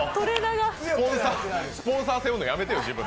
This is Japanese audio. スポンサー背負うのやめてよ。